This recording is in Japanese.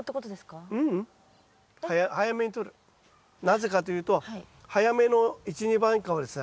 なぜかというと早めの一・二番果はですね